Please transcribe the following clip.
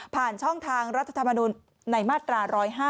ช่องทางรัฐธรรมนุนในมาตรา๑๐๕